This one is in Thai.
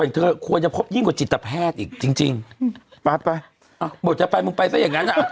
เธอควรจะพบยิ่งกว่าจิตแพทย์อีกจริงจริงอืมปาดไปอ่ะบทจะไปมึงไปซะอย่างนั้นอ่ะ